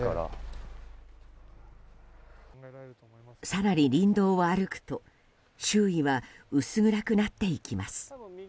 更に林道を歩くと周囲は薄暗くなっていきます。